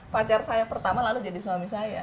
pacar saya pertama lalu jadi suami saya